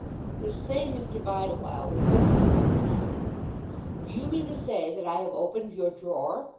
This same Mr. Bideawhile was with him at the time. "Do you mean to say that I have opened your drawer?"